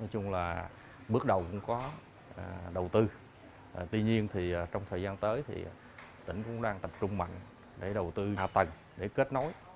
nói chung là bước đầu cũng có đầu tư tuy nhiên thì trong thời gian tới thì tỉnh cũng đang tập trung mạnh để đầu tư hạ tầng để kết nối